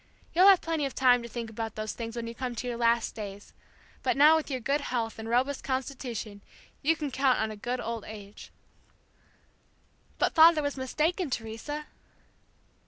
You'll have plenty of time to think about those things when you come to your last days; but now with your good health and robust constitution you can count on a good old age.'" "But father was mistaken, Teresa!"